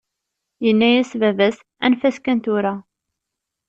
Yenna-as baba-s: Anef-as kan tura.